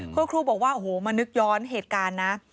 คุณครูบอกว่าโอ้โหมานึกย้อนเหตุการณ์นะ